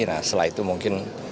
nah setelah itu mungkin